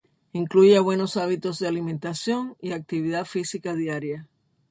incluya buenos hábitos de alimentación y actividad física diaria